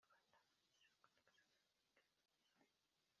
Abantu benshi bakurikira uwo mwigisha mushya aho agiye hose